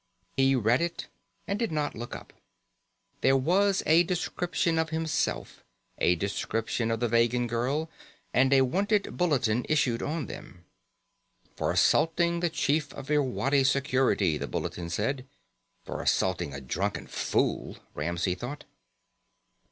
He read it and did not look up. There was a description of himself, a description of the Vegan girl, and a wanted bulletin issued on them. For assaulting the Chief of Irwadi Security, the bulletin said. For assaulting a drunken fool, Ramsey thought.